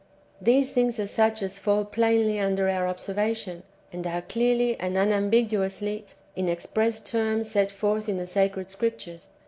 These things are such as fall [plainly] under our observation, and are clearly and unam biguously in express terms set forth in the sacred Scriptures.